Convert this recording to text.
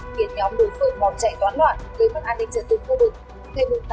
khiến nhóm đối phương bỏ chạy toán loạn với mất an ninh trật tương khu vực